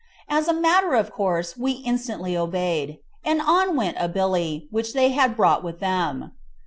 As a matter of course we instantly obeyed, and on went a billy, which they had brought with them.